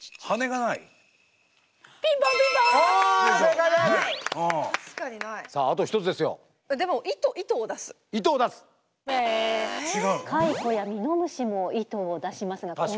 カイコやミノムシも糸を出しますが昆虫ですね。